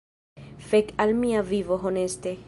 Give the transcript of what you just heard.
Fek al mia vivo, honeste!